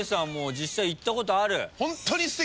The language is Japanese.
実際行ったことある。